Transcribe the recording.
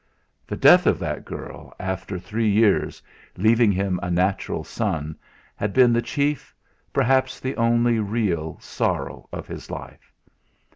The death of that girl, after three years, leaving him a natural son, had been the chief, perhaps the only real, sorrow of his life.